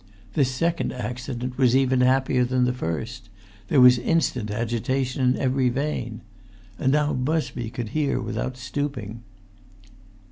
This second accident was even happier than the first; there was instant agitation in every vein. And now Busby could hear without stooping.